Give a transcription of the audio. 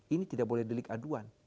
ini tidak boleh delik aduan